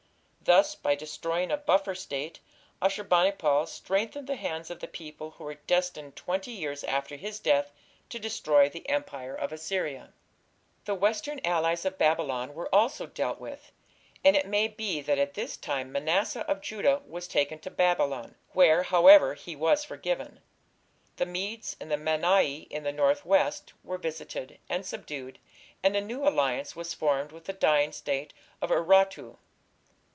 Thus, by destroying a buffer State, Ashur bani pal strengthened the hands of the people who were destined twenty years after his death to destroy the Empire of Assyria. The western allies of Babylon were also dealt with, and it may be that at this time Manasseh of Judah was taken to Babylon (2 Chronicles, xxxiii, II), where, however, he was forgiven. The Medes and the Mannai in the north west were visited and subdued, and a new alliance was formed with the dying State of Urartu.